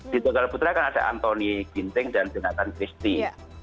di tunggal putra kan ada antoni ginting dan jonathan christie